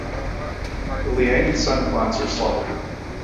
The Liang and Sun clans were slaughtered.